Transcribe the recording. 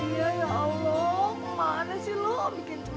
nadia ya allah kemana sih lo bikin cemana